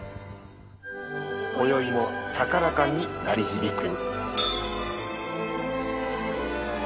こよいも高らかに鳴り響く。